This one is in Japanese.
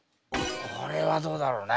これはどうだろうね？